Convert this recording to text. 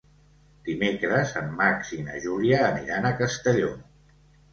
Dimecres en Max i na Júlia aniran a Castelló.